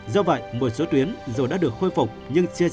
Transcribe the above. do vậy một số tuyến dù đã được khôi phục nhưng chưa chạy